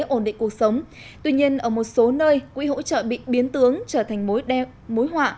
ổn định cuộc sống tuy nhiên ở một số nơi quỹ hỗ trợ bị biến tướng trở thành mối họa